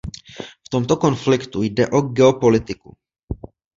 V tomto konfliktu jde o geopolitiku.